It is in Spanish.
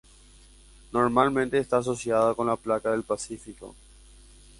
Normalmente está asociada con la placa del Pacífico.